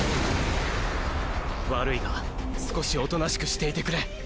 悪いが少しおとなしくしていてくれ。